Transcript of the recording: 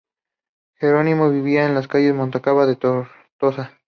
Jerónimo vivía en la calle Montcada de Tortosa.